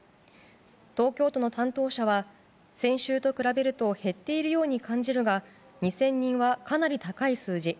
東京都の担当者は先週と比べると減っているように感じるが２０００人はかなり高い数字。